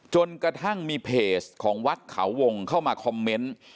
จนกระทั่งมีเพจของวัดเขาวงเข้ามาคอมเมนต์